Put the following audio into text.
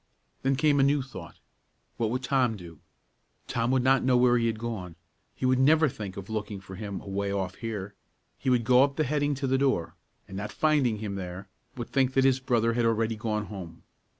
Then came a new thought. What would Tom do? Tom would not know where he had gone; he would never think of looking for him away off here; he would go up the heading to the door, and not finding him there, would think that his brother had already gone home.